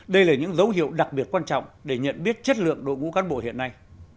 đây là những dấu hiệu đặc biệt quan trọng để nhận biết chất lượng đội ngũ cán bộ hiện nay